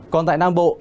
còn tại nam bộ